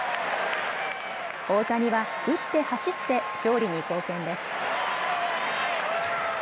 大谷は打って、走って勝利に貢献です。